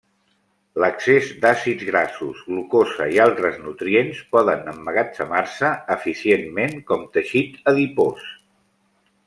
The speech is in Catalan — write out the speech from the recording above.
L'excés d'àcids grassos, glucosa, i altres nutrients poden emmagatzemar-se eficientment com teixit adipós.